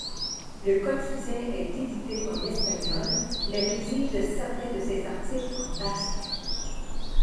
Le quotidien est édité en espagnol mais rédige certains de ces articles en basque.